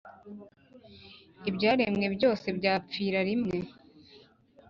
ibyaremwe byose byapfira rimwe,